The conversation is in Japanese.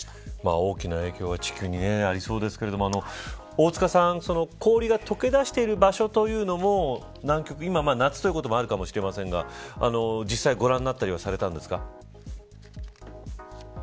大きな影響が地球にありそうですけども大塚さん、氷が解けだしている場所というのも南極、今、夏ということもあるかもしれませんが実際、ご覧になったりされたんですか。